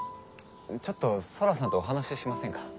ちょっと空さんとお話ししませんか？